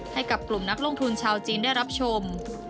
ให้กับกลุ่มนักลงทุนชาวจีนได้รับชม